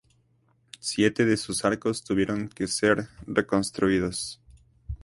Siete de sus arcos tuvieron que ser reconstruidos.